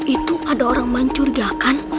itu ada orang mancur ya kan